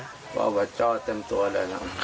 ครับอุบัติเจาะเต็มตัวเลย